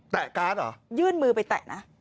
การ์ดเหรอยื่นมือไปแตะนะ